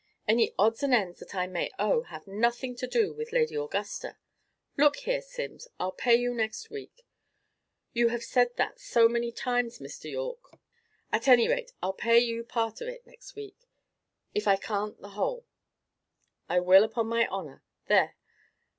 Any odds and ends that I may owe, have nothing to do with Lady Augusta. Look here, Simms, I'll pay you next week." "You have said that so many times, Mr. Yorke." "At any rate, I'll pay you part of it next week, if I can't the whole. I will, upon my honour. There!